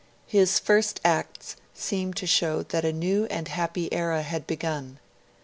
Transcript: His first acts seemed to show that a new and happy era had begun.